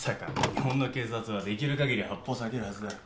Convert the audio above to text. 日本の警察はできる限り発砲を避けるはずだよ。